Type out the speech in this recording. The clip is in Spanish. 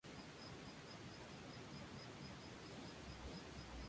Sin gluten y bajo en lactosa".